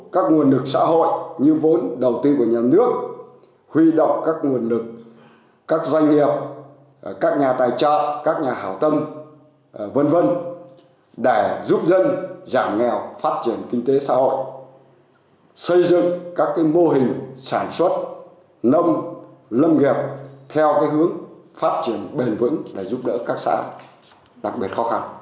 các nguồn lực xã hội như vốn đầu tiên của nhà nước huy động các nguồn lực các doanh nghiệp các nhà tài trợ các nhà hảo tâm v v để giúp dân giảm nghèo phát triển kinh tế xã hội xây dựng các mô hình sản xuất nâm lâm nghiệp theo hướng phát triển bền vững để giúp đỡ các xã đặc biệt khó khăn